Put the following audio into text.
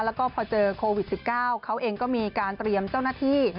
แล้วก็พอเจอโควิด๑๙เขาเองก็มีการเตรียมเจ้าหน้าที่